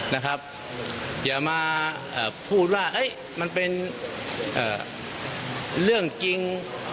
นะครับอย่ามาเอ่อพูดว่าเอ๊ะมันเป็นเอ่อเรื่องจริง